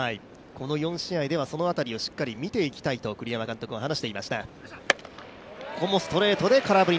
この４試合では、その辺りをしっかり見ていきたいと栗山監督は話していました。